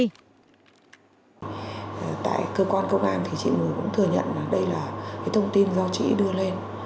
tại cơ quan công an thì chị mới cũng thừa nhận đây là thông tin do chị đưa lên